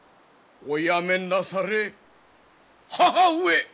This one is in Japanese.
おやめなされ母上！